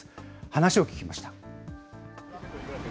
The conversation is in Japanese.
話を聞きました。